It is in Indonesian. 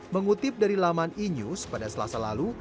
mengutip dari laman e news pada selasa lalu